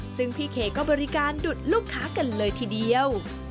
ซึ่งพี่เคก็บริการดุดลูกค้ากันเลยทีเดียว